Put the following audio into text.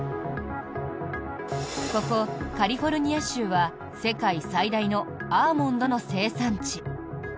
ここカリフォルニア州は世界最大のアーモンドの生産地。